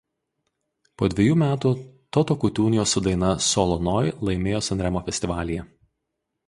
Po dvejų metų Toto Cutugno su daina "Solo noi" laimėjo Sanremo festivalyje.